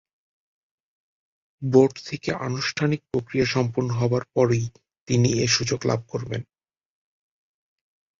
Board থেকে আনুষ্ঠানিক প্রক্রিয়া সম্পন্ন হবার পরই তিনি এ সুযোগ লাভ করবেন।